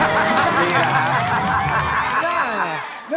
มาได้เติมนี่กันครับ